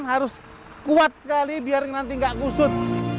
harus kuat sekali biar nanti gak kusut